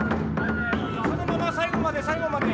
そのまま最後まで最後まで。